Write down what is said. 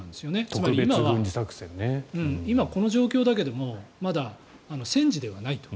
つまり、今はこの状況だけどまだ、戦時ではないと。